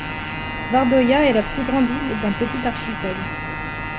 Vardøya est la plus grande île d'un petit archipel.